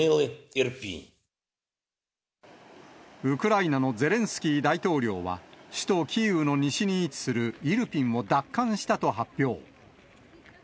ウクライナのゼレンスキー大統領は、首都キーウの西に位置するイルピンを奪還したと発表。